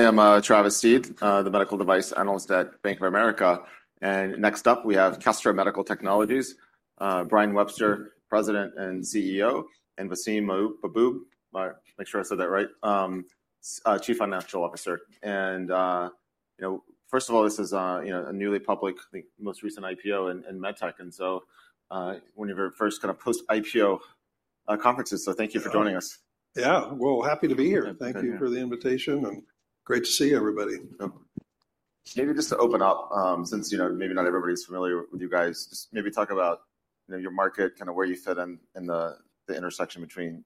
I'm Travis Steed, the Medical Device Analyst at Bank of America. Next up, we have Kestra Medical Technologies, Brian Webster, President and CEO, and Vaseem Mahboob, make sure I said that right, Chief Financial Officer. You know, first of all, this is a newly public, I think, most recent IPO in med tech. One of your first kind of post-IPO conferences. Thank you for joining us. Yeah, happy to be here. Thank you for the invitation. Great to see everybody. Maybe just to open up, since, you know, maybe not everybody's familiar with you guys, just maybe talk about your market, kind of where you fit in the intersection between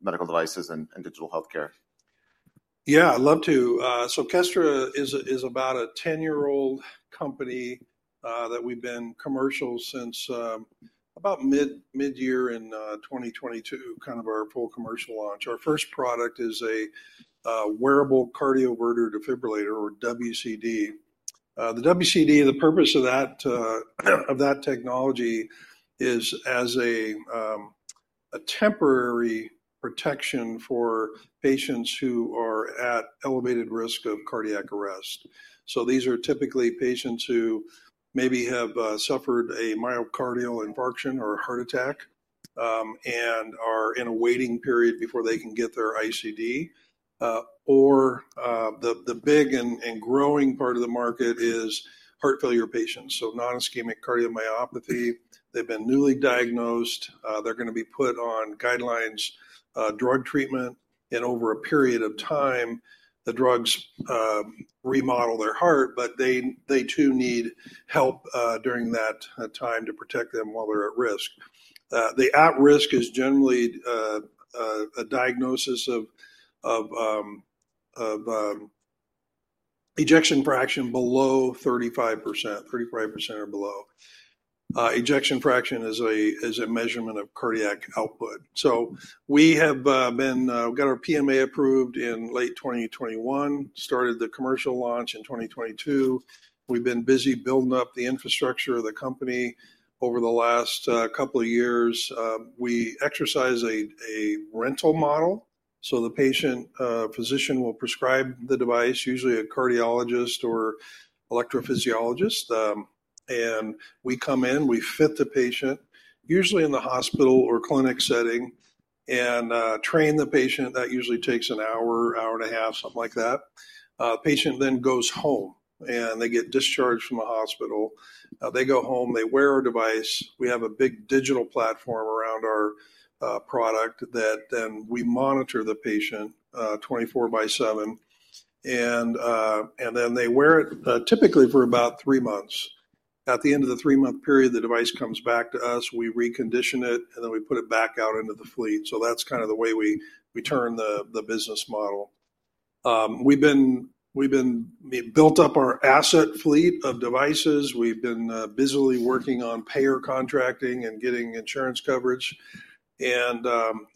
medical devices and digital healthcare. Yeah, I'd love to. Kestra is about a 10-year-old company that we've been commercial since about mid-year in 2022, kind of our full commercial launch. Our first product is a Wearable Cardioverter Defibrillator, or WCD. The WCD, the purpose of that technology is as a temporary protection for patients who are at elevated risk of cardiac arrest. These are typically patients who maybe have suffered a myocardial infarction or a heart attack and are in a waiting period before they can get their ICD. The big and growing part of the market is heart failure patients, so non-ischemic cardiomyopathy. They've been newly diagnosed. They're going to be put on guidelines drug treatment. Over a period of time, the drugs remodel their heart, but they too need help during that time to protect them while they're at risk. The at-risk is generally a diagnosis of ejection fraction below 35%, 35% or below. Ejection fraction is a measurement of cardiac output. We have been got our PMA approved in late 2021, started the commercial launch in 2022. We've been busy building up the infrastructure of the company over the last couple of years. We exercise a rental model. The patient physician will prescribe the device, usually a cardiologist or electrophysiologist. We come in, we fit the patient, usually in the hospital or clinic setting, and train the patient. That usually takes an hour, hour and a half, something like that. The patient then goes home, and they get discharged from the hospital. They go home, they wear our device. We have a big digital platform around our product that then we monitor the patient 24/7. They wear it typically for about three months. At the end of the three-month period, the device comes back to us, we recondition it, and then we put it back out into the fleet. That is kind of the way we turn the business model. We have built up our asset fleet of devices. We have been busily working on payer contracting and getting insurance coverage, and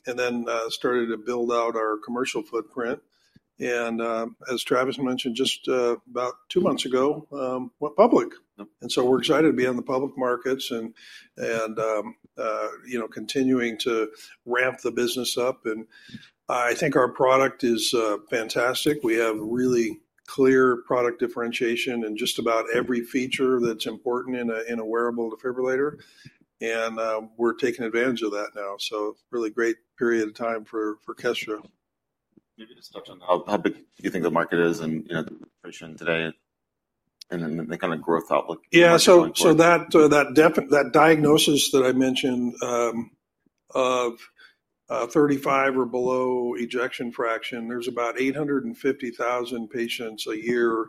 then started to build out our commercial footprint. As Travis mentioned, just about two months ago, went public. We are excited to be in the public markets and continuing to ramp the business up. I think our product is fantastic. We have really clear product differentiation in just about every feature that is important in a wearable defibrillator. We are taking advantage of that now. Really great period of time for Kestra. Maybe just touch on how big you think the market is and the situation today, and then the kind of growth outlook. Yeah, so that diagnosis that I mentioned of 35 or below ejection fraction, there's about 850,000 patients a year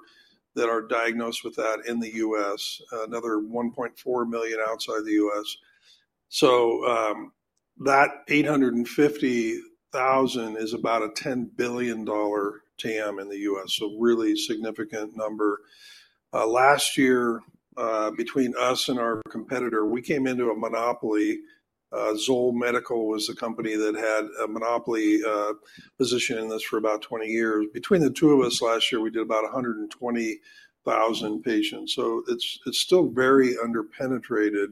that are diagnosed with that in the U.S., another 1.4 million outside the U.S. That 850,000 is about a $10 billion TAM in the U.S., so really significant number. Last year, between us and our competitor, we came into a monopoly. ZOLL Medical was the company that had a monopoly position in this for about 20 years. Between the two of us last year, we did about 120,000 patients. It's still very under-penetrated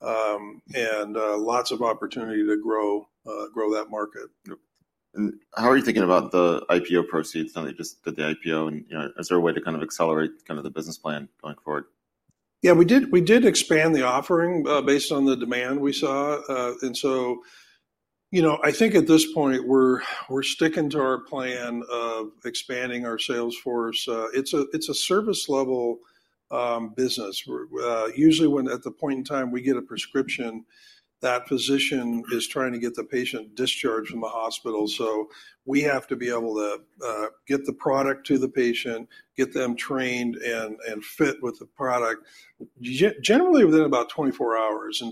and lots of opportunity to grow that market. How are you thinking about the IPO proceeds? Now that you just did the IPO, is there a way to kind of accelerate kind of the business plan going forward? Yeah, we did expand the offering based on the demand we saw. And so, you know, I think at this point, we're sticking to our plan of expanding our sales force. It's a service-level business. Usually, at the point in time we get a prescription, that physician is trying to get the patient discharged from the hospital. We have to be able to get the product to the patient, get them trained and fit with the product, generally within about 24 hours.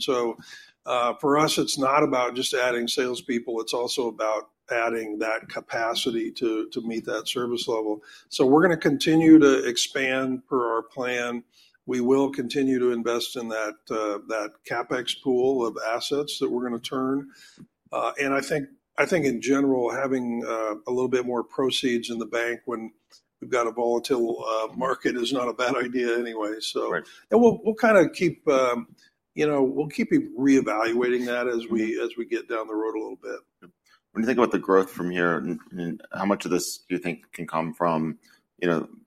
For us, it's not about just adding salespeople. It's also about adding that capacity to meet that service level. We're going to continue to expand per our plan. We will continue to invest in that CapEx pool of assets that we're going to turn. I think in general, having a little bit more proceeds in the bank when we've got a volatile market is not a bad idea anyway. We'll kind of keep, you know, we'll keep reevaluating that as we get down the road a little bit. When you think about the growth from here, how much of this do you think can come from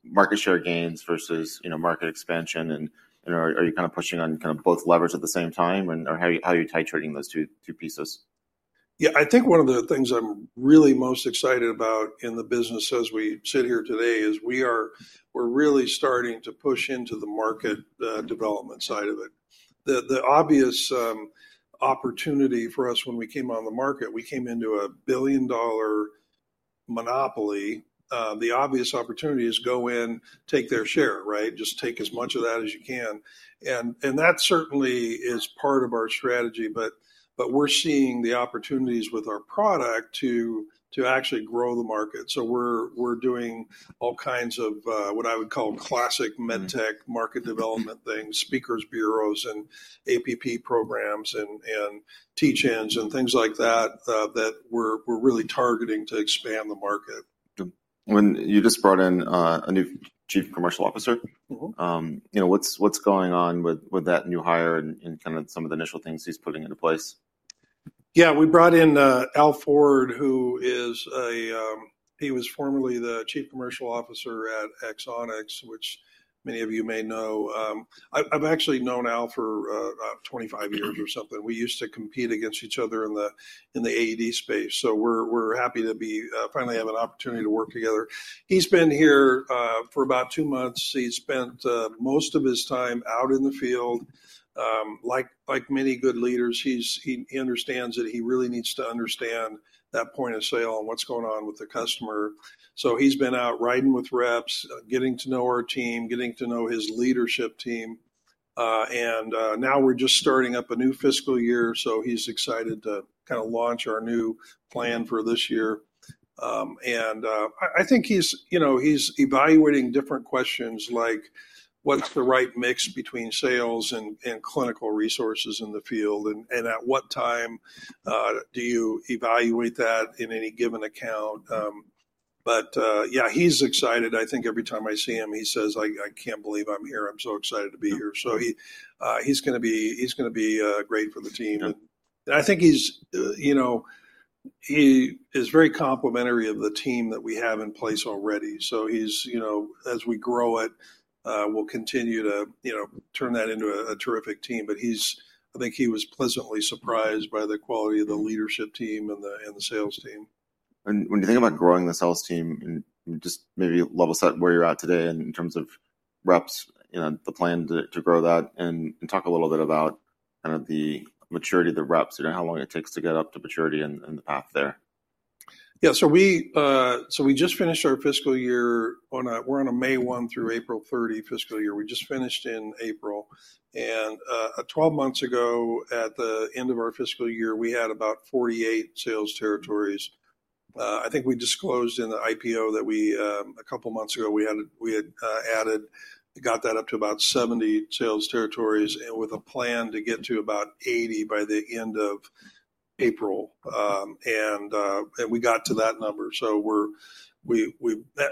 market share gains versus market expansion? Are you kind of pushing on kind of both levers at the same time? How are you titrating those two pieces? Yeah, I think one of the things I'm really most excited about in the business as we sit here today is we are really starting to push into the market development side of it. The obvious opportunity for us when we came on the market, we came into a billion-dollar monopoly. The obvious opportunity is go in, take their share, right? Just take as much of that as you can. That certainly is part of our strategy. We're seeing the opportunities with our product to actually grow the market. We're doing all kinds of what I would call classic med tech market development things, speakers bureaus, and APP programs, and teach-ins, and things like that that we're really targeting to expand the market. When you just brought in a new Chief Commercial Officer, what's going on with that new hire and kind of some of the initial things he's putting into place? Yeah, we brought in Al Ford, who is a, he was formerly the Chief Commercial Officer at Exonics, which many of you may know. I've actually known Al for about 25 years or something. We used to compete against each other in the AED space. We're happy to finally have an opportunity to work together. He's been here for about two months. He's spent most of his time out in the field. Like many good leaders, he understands that he really needs to understand that point of sale and what's going on with the customer. He's been out riding with reps, getting to know our team, getting to know his leadership team. Now we're just starting up a new fiscal year. He's excited to kind of launch our new plan for this year. I think he's evaluating different questions like what's the right mix between sales and clinical resources in the field, and at what time do you evaluate that in any given account. Yeah, he's excited. I think every time I see him, he says, "I can't believe I'm here. I'm so excited to be here." He's going to be great for the team. I think he's, you know, he is very complimentary of the team that we have in place already. He's, you know, as we grow it, we'll continue to turn that into a terrific team. I think he was pleasantly surprised by the quality of the leadership team and the sales team. When you think about growing the sales team, just maybe level set where you're at today in terms of reps, the plan to grow that, and talk a little bit about kind of the maturity of the reps, how long it takes to get up to maturity and the path there. Yeah, so we just finished our fiscal year. We're on a May 1st through April 30th fiscal year. We just finished in April. 12 months ago, at the end of our fiscal year, we had about 48 sales territories. I think we disclosed in the IPO that a couple of months ago, we had added, got that up to about 70 sales territories with a plan to get to about 80 by the end of April. We got to that number.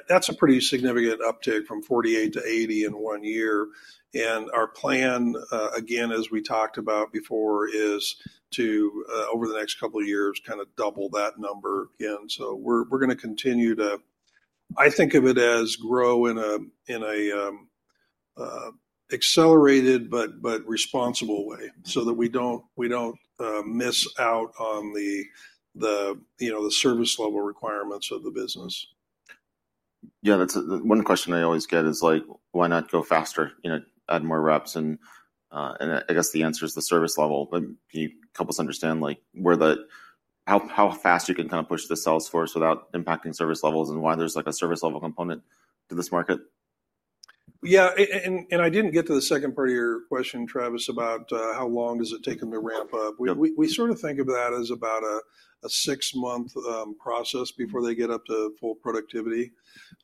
That's a pretty significant uptick from 48-80 in one year. Our plan, again, as we talked about before, is to, over the next couple of years, kind of double that number again. We're going to continue to, I think of it as grow in an accelerated but responsible way so that we don't miss out on the service level requirements of the business. Yeah, that's one question I always get is like, why not go faster, add more reps? I guess the answer is the service level. Can you help us understand where the, how fast you can kind of push the sales force without impacting service levels and why there's like a service level component to this market? Yeah, and I didn't get to the second part of your question, Travis, about how long does it take them to ramp up. We sort of think of that as about a six-month process before they get up to full productivity.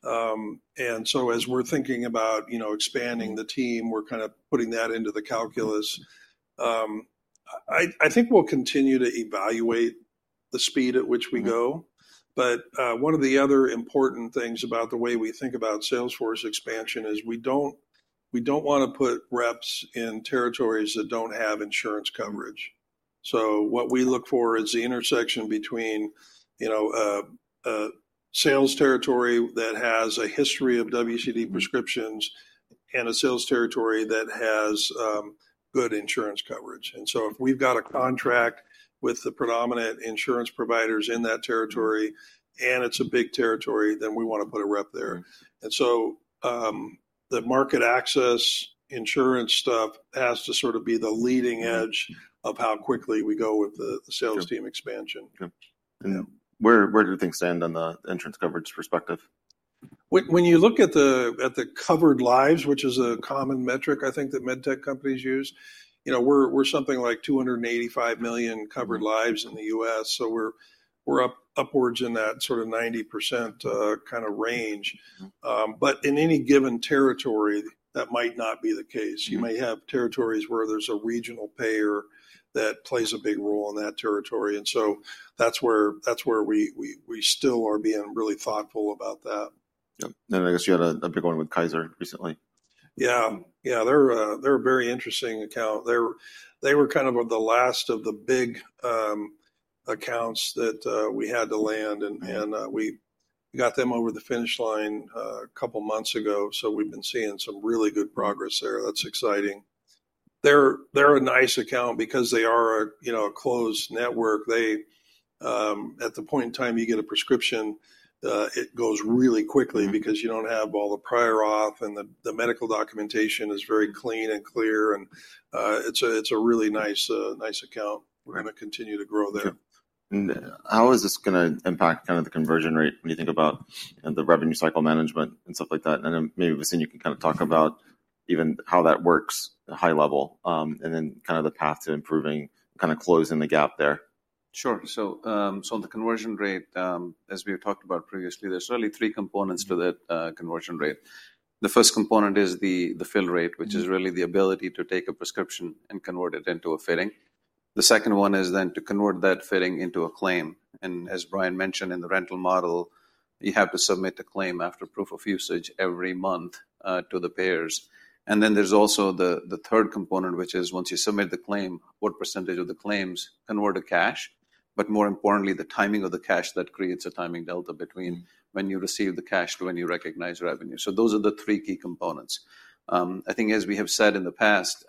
As we're thinking about expanding the team, we're kind of putting that into the calculus. I think we'll continue to evaluate the speed at which we go. One of the other important things about the way we think about sales force expansion is we don't want to put reps in territories that don't have insurance coverage. What we look for is the intersection between a sales territory that has a history of WCD prescriptions and a sales territory that has good insurance coverage. If we've got a contract with the predominant insurance providers in that territory and it's a big territory, then we want to put a rep there. The market access insurance stuff has to sort of be the leading edge of how quickly we go with the sales team expansion. Where do things stand on the insurance coverage perspective? When you look at the covered lives, which is a common metric I think that med tech companies use, we're something like 285 million covered lives in the U.S. So we're upwards in that sort of 90% kind of range. But in any given territory, that might not be the case. You may have territories where there's a regional payer that plays a big role in that territory. And so that's where we still are being really thoughtful about that. I guess you had a big one with Kaiser recently. Yeah, yeah, they're a very interesting account. They were kind of the last of the big accounts that we had to land. We got them over the finish line a couple of months ago. We've been seeing some really good progress there. That's exciting. They're a nice account because they are a closed network. At the point in time you get a prescription, it goes really quickly because you don't have all the prior auth, and the medical documentation is very clean and clear. It's a really nice account. We're going to continue to grow there. How is this going to impact kind of the conversion rate when you think about the revenue cycle management and stuff like that? Maybe you can kind of talk about even how that works high level and then kind of the path to improving, kind of closing the gap there. Sure. The conversion rate, as we have talked about previously, there are really three components to that conversion rate. The first component is the fill rate, which is really the ability to take a prescription and convert it into a fitting. The second one is then to convert that fitting into a claim. As Brian mentioned in the rental model, you have to submit a claim after proof of usage every month to the payers. There is also the third component, which is once you submit the claim, what percentage of the claims convert to cash, but more importantly, the timing of the cash that creates a timing delta between when you receive the cash to when you recognize revenue. Those are the three key components. I think as we have said in the past,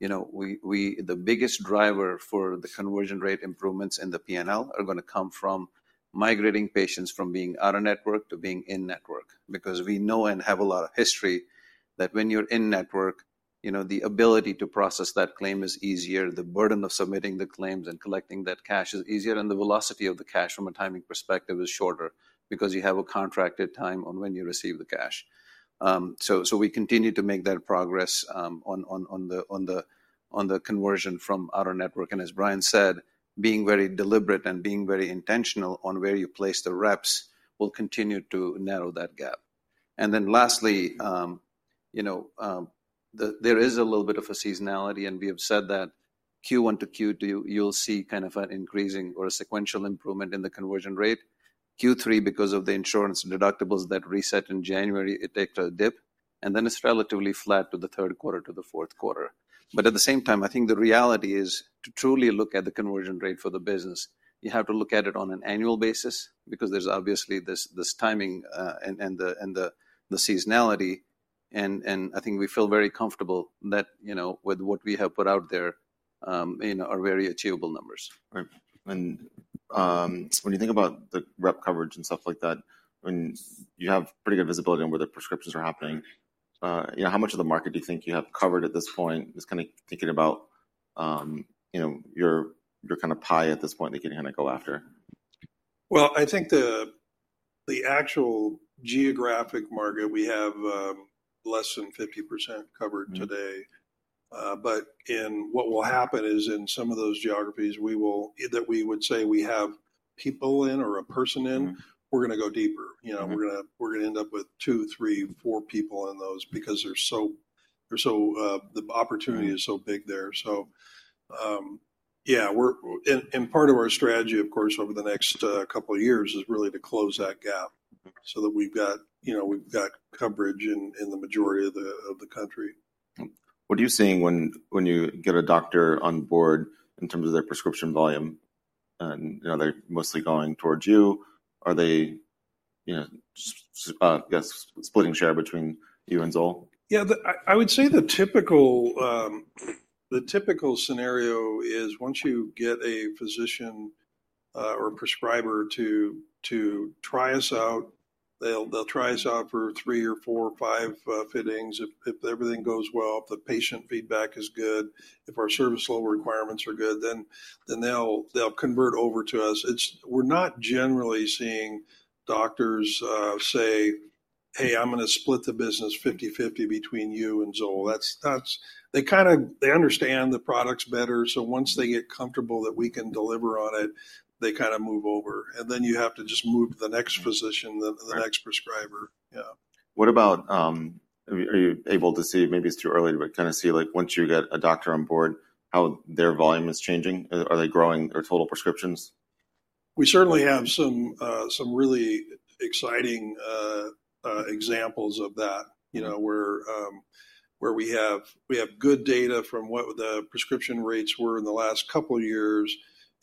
the biggest driver for the conversion rate improvements in the P&L are going to come from migrating patients from being out of network to being in network. Because we know and have a lot of history that when you're in network, the ability to process that claim is easier. The burden of submitting the claims and collecting that cash is easier. The velocity of the cash from a timing perspective is shorter because you have a contracted time on when you receive the cash. We continue to make that progress on the conversion from out of network. As Brian said, being very deliberate and being very intentional on where you place the reps will continue to narrow that gap. Lastly, there is a little bit of a seasonality. We have said that Q1 to Q2, you'll see kind of an increasing or a sequential improvement in the conversion rate. Q3, because of the insurance deductibles that reset in January, it takes a dip. It is relatively flat to the third quarter to the fourth quarter. At the same time, I think the reality is to truly look at the conversion rate for the business, you have to look at it on an annual basis because there's obviously this timing and the seasonality. I think we feel very comfortable that with what we have put out there are very achievable numbers. When you think about the rep coverage and stuff like that, when you have pretty good visibility on where the prescriptions are happening, how much of the market do you think you have covered at this point? Just kind of thinking about your kind of pie at this point that you can kind of go after. I think the actual geographic market, we have less than 50% covered today. What will happen is in some of those geographies that we would say we have people in or a person in, we're going to go deeper. We're going to end up with two, three, four people in those because the opportunity is so big there. Yeah, and part of our strategy, of course, over the next couple of years is really to close that gap so that we've got coverage in the majority of the country. What are you seeing when you get a doctor on board in terms of their prescription volume? Are they mostly going towards you? Are they splitting share between you and ZOLL? Yeah, I would say the typical scenario is once you get a physician or a prescriber to try us out, they'll try us out for 3 or 4-5 fittings. If everything goes well, if the patient feedback is good, if our service level requirements are good, then they'll convert over to us. We're not generally seeing doctors say, "Hey, I'm going to split the business 50:50 between you and Zoll." They kind of understand the products better. Once they get comfortable that we can deliver on it, they kind of move over. You have to just move to the next physician, the next prescriber. Yeah. What about, are you able to see, maybe it's too early, but kind of see like once you get a doctor on board, how their volume is changing? Are they growing their total prescriptions? We certainly have some really exciting examples of that where we have good data from what the prescription rates were in the last couple of years.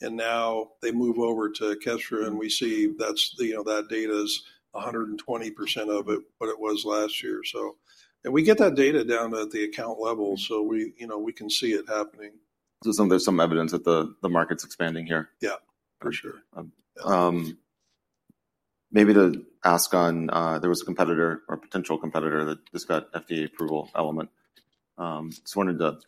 Now they move over to Kestra and we see that data is 120% of what it was last year. We get that data down at the account level so we can see it happening. There's some evidence that the market's expanding here. Yeah, for sure. Maybe to ask on, there was a competitor or potential competitor that just got FDA approval, Element. Just wanted to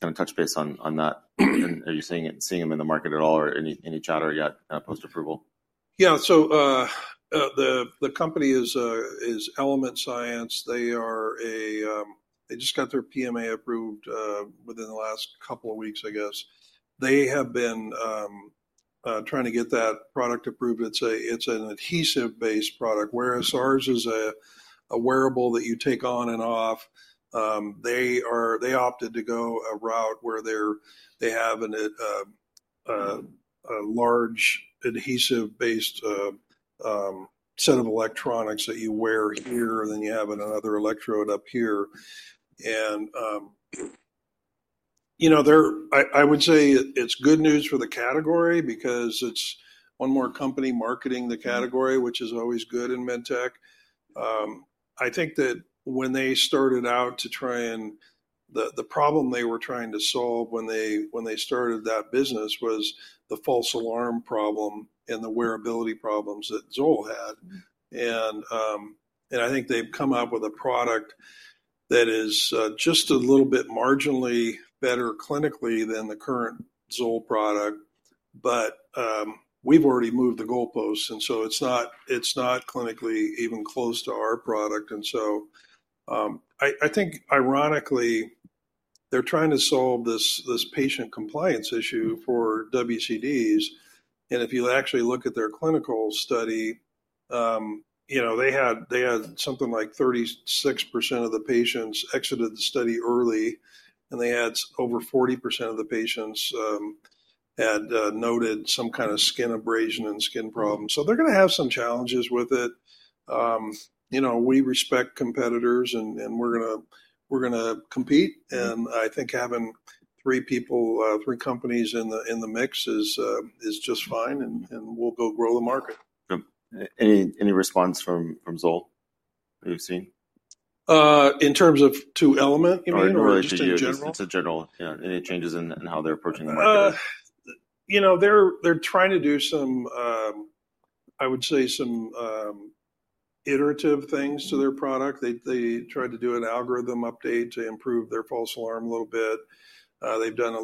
kind of touch base on that. Are you seeing them in the market at all or any chatter yet post-approval? Yeah, so the company is Element Science. They just got their PMA approved within the last couple of weeks, I guess. They have been trying to get that product approved. It's an adhesive-based product whereas ours is a wearable that you take on and off. They opted to go a route where they have a large adhesive-based set of electronics that you wear here and then you have another electrode up here. I would say it's good news for the category because it's one more company marketing the category, which is always good in med tech. I think that when they started out to try and the problem they were trying to solve when they started that business was the false alarm problem and the wearability problems that ZOLL had. I think they've come up with a product that is just a little bit marginally better clinically than the current ZOLL product. We have already moved the goalposts. It is not clinically even close to our product. I think ironically, they are trying to solve this patient compliance issue for WCDs. If you actually look at their clinical study, they had something like 36% of the patients exited the study early. They had over 40% of the patients had noted some kind of skin abrasion and skin problem. They are going to have some challenges with it. We respect competitors and we are going to compete. I think having three people, three companies in the mix is just fine. We will go grow the market. Any response from ZOLL that you've seen? In terms of to Element, you mean or just in general? It's a general, yeah. Any changes in how they're approaching the market? They're trying to do some, I would say, some iterative things to their product. They tried to do an algorithm update to improve their false alarm a little bit. They've done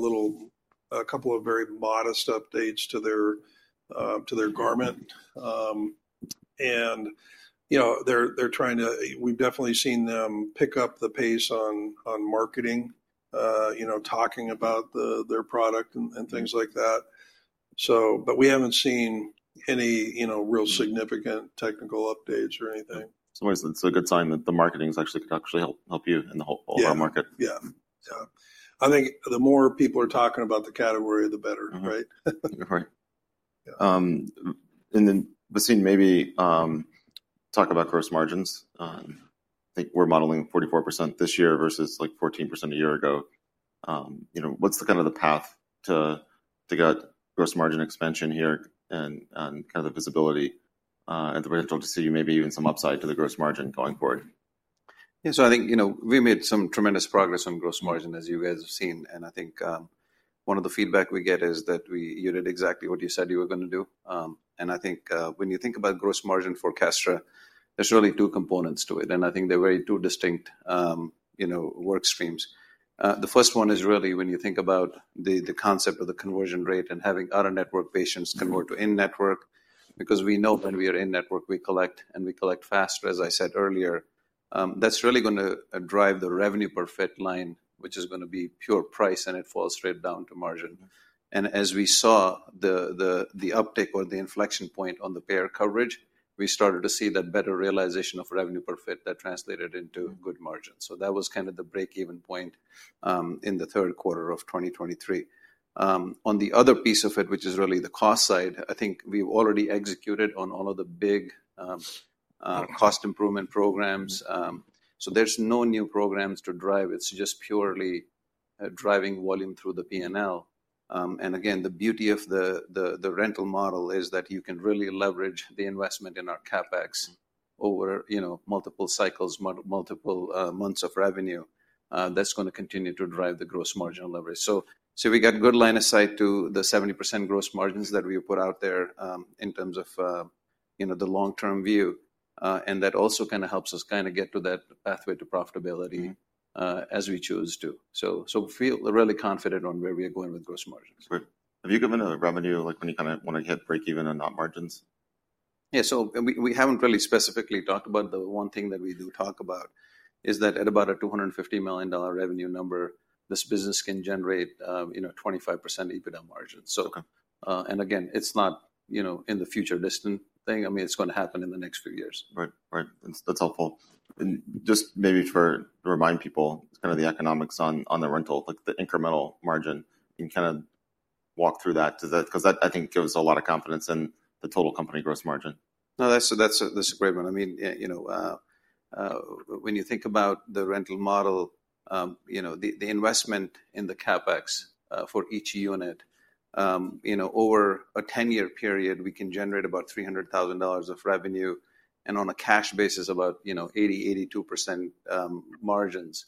a couple of very modest updates to their garment. They're trying to, we've definitely seen them pick up the pace on marketing, talking about their product and things like that. We haven't seen any real significant technical updates or anything. It's a good sign that the marketing is actually going to actually help you in the whole market. Yeah, yeah. I think the more people are talking about the category, the better, right? Right. We have seen, maybe talk about gross margins. I think we are modeling 44% this year versus 14% a year ago. What is kind of the path to get gross margin expansion here and kind of the visibility and the potential to see maybe even some upside to the gross margin going forward? Yeah, so I think we made some tremendous progress on gross margin as you guys have seen. I think one of the feedback we get is that you did exactly what you said you were going to do. I think when you think about gross margin for Kestra, there's really two components to it. I think they're very two distinct work streams. The first one is really when you think about the concept of the conversion rate and having out of network patients convert to in network because we know when we are in network, we collect and we collect faster, as I said earlier. That's really going to drive the revenue per fit line, which is going to be pure price and it falls straight down to margin. As we saw the uptick or the inflection point on the payer coverage, we started to see that better realization of revenue per fit that translated into good margins. That was kind of the break-even point in the third quarter of 2023. On the other piece of it, which is really the cost side, I think we've already executed on all of the big cost improvement programs. There are no new programs to drive. It's just purely driving volume through the P&L. Again, the beauty of the rental model is that you can really leverage the investment in our CapEx over multiple cycles, multiple months of revenue. That is going to continue to drive the gross margin leverage. We have good line of sight to the 70% gross margins that we put out there in terms of the long-term view. That also kind of helps us kind of get to that pathway to profitability as we choose to. We feel really confident on where we are going with gross margins. Have you given a revenue, like when you kind of want to hit break-even and not margins? Yeah, so we haven't really specifically talked about the one thing that we do talk about is that at about a $250 million revenue number, this business can generate 25% EBITDA margins. I mean, it's not in the future distant thing. I mean, it's going to happen in the next few years. Right, right. That's helpful. Just maybe to remind people, it's kind of the economics on the rental, like the incremental margin. You can kind of walk through that because that, I think, gives a lot of confidence in the total company gross margin. No, that's a great one. I mean, when you think about the rental model, the investment in the CapEx for each unit, over a 10-year period, we can generate about $300,000 of revenue and on a cash basis, about 80%-82% margins.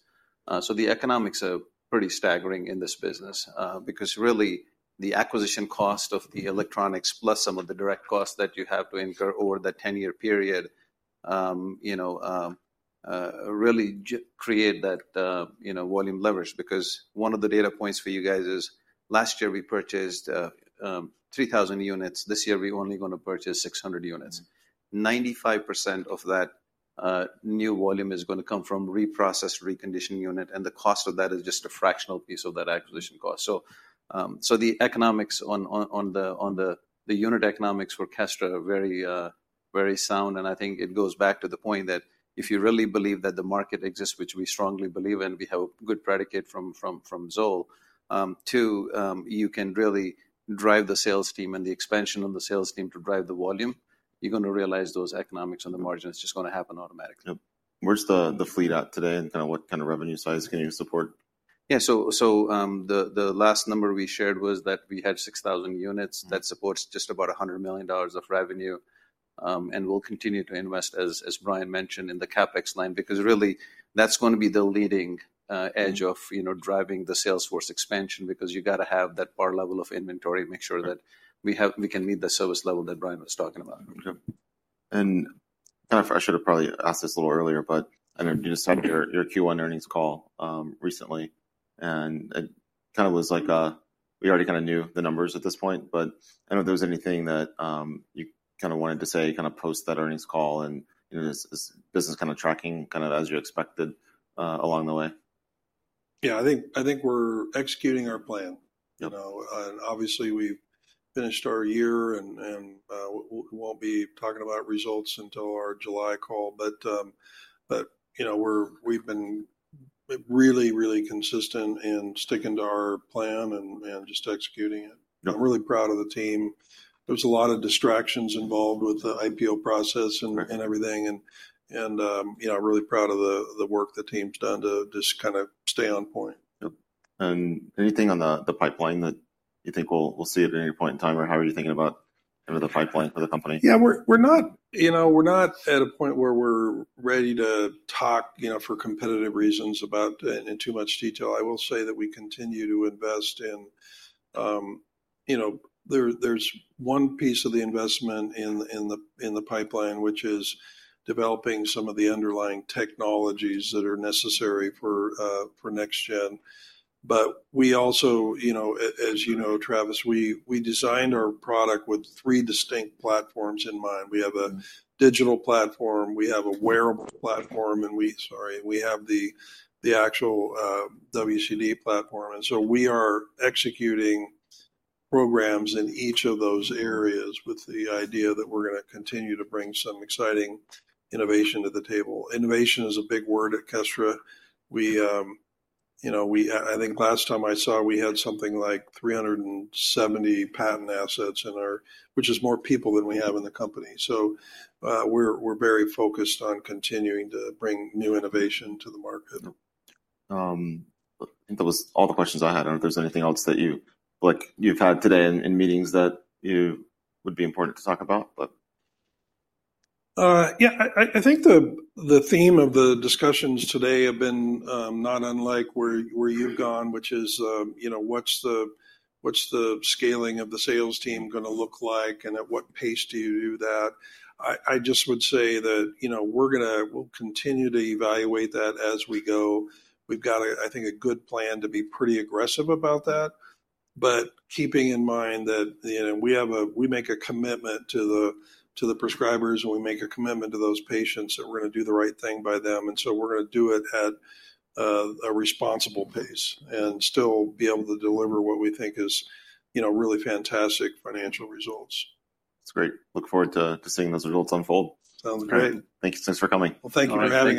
The economics are pretty staggering in this business because really the acquisition cost of the electronics plus some of the direct costs that you have to incur over that 10-year period really create that volume leverage. One of the data points for you guys is last year we purchased 3,000 units. This year we're only going to purchase 600 units. 95% of that new volume is going to come from reprocessed, reconditioned unit. The cost of that is just a fractional piece of that acquisition cost. The economics on the unit economics for Kestra are very sound. I think it goes back to the point that if you really believe that the market exists, which we strongly believe in, we have a good predicate from ZOLL, too, you can really drive the sales team and the expansion of the sales team to drive the volume. You're going to realize those economics on the margin. It is just going to happen automatically. Where's the fleet at today and kind of what kind of revenue size can you support? Yeah, so the last number we shared was that we had 6,000 units that supports just about $100 million of revenue. We'll continue to invest, as Brian mentioned, in the CapEx line because really that's going to be the leading edge of driving the Salesforce expansion because you got to have that bar level of inventory, make sure that we can meet the service level that Brian was talking about. I should have probably asked this a little earlier, but I know you just had your Q1 earnings call recently. It kind of was like we already kind of knew the numbers at this point, but I don't know if there was anything that you kind of wanted to say post that earnings call and this business kind of tracking as you expected along the way. Yeah, I think we're executing our plan. Obviously, we've finished our year and we won't be talking about results until our July call. We've been really, really consistent in sticking to our plan and just executing it. I'm really proud of the team. There's a lot of distractions involved with the IPO process and everything. I'm really proud of the work the team's done to just kind of stay on point. Anything on the pipeline that you think we'll see at any point in time or how are you thinking about the pipeline for the company? Yeah, we're not at a point where we're ready to talk for competitive reasons about in too much detail. I will say that we continue to invest in, there's one piece of the investment in the pipeline, which is developing some of the underlying technologies that are necessary for next gen. We also, as you know, Travis, designed our product with three distinct platforms in mind. We have a digital platform. We have a wearable platform. Sorry, we have the actual WCD platform. We are executing programs in each of those areas with the idea that we're going to continue to bring some exciting innovation to the table. Innovation is a big word at Kestra. I think last time I saw, we had something like 370 patent assets in our, which is more people than we have in the company. We're very focused on continuing to bring new innovation to the market. I think that was all the questions I had. I don't know if there's anything else that you've had today in meetings that would be important to talk about. Yeah, I think the theme of the discussions today have been not unlike where you've gone, which is what's the scaling of the sales team going to look like and at what pace do you do that? I just would say that we're going to continue to evaluate that as we go. We've got, I think, a good plan to be pretty aggressive about that. Keeping in mind that we make a commitment to the prescribers and we make a commitment to those patients that we're going to do the right thing by them. We are going to do it at a responsible pace and still be able to deliver what we think is really fantastic financial results. That's great. Look forward to seeing those results unfold. Sounds great. Thanks for coming. Thank you very much.